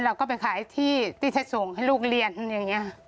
เราก็ไปขายที่ใช้ส่งให้ลูกเรียนอย่างนี้